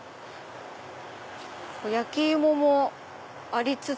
焼き芋もありつつ。